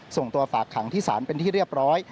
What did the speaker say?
ส่งตัวฝากขังที่ศาลเป็นที่เรียบร้อย